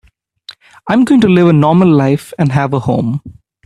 I'm going to live a normal life and have a home.